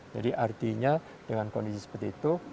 jadi artinya dengan kondisi seperti itu